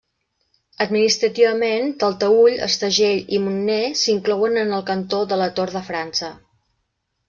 Administrativament, Talteüll, Estagell i Montner s'inclouen en el cantó de la Tor de França.